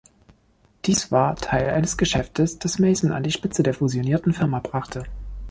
Dies war Teil eines Geschäftes, das Mason an die Spitze der fusionierten Firma brachte.